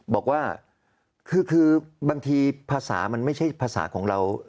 บอกว่าคือบางทีภาษามันไม่ใช่ภาษาของเรา